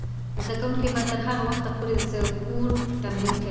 زده کوونکې به تر هغه وخته پورې د سپورت تمرین کوي.